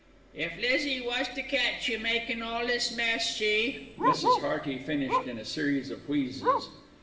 "If Lizzie was to catch you making all this mess she " Mrs. Hearty finished in a series of wheezes.